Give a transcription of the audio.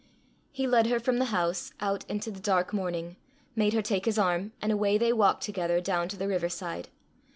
He led her from the house, out into the dark morning, made her take his arm, and away they walked together, down to the riverside.